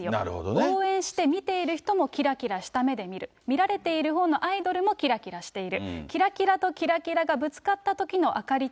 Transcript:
応援してみている人もきらきらした目で見る、見られているほうのアイドルもきらきらしている。